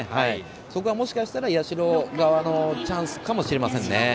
そこがもしかしたら社側のチャンスかもしれませんね。